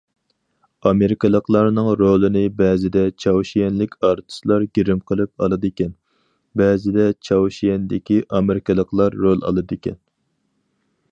ئامېرىكىلىقلارنىڭ رولىنى بەزىدە چاۋشيەنلىك ئارتىسلار گىرىم قىلىپ ئالىدىكەن، بەزىدە چاۋشيەندىكى ئامېرىكىلىقلار رول ئالىدىكەن.